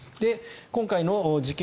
今回の事件